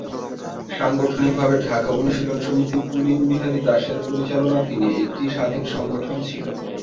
সাংগঠনিকভাবে ঢাকা অনুশীলন সমিতি পুলিনবিহারী দাসের পরিচালনাধীনে একটি স্বাধীন সংগঠন ছিল।